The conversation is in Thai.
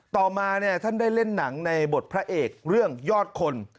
ต่อมาท่านได้เล่นหนังในบทพระเอกเรื่องยอดคน